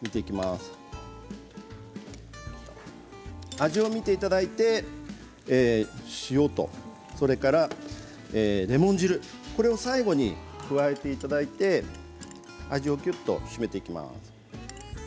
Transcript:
味を見ていただいて塩とそれからレモン汁最後に加えていただいて味をきゅっと締めていきます。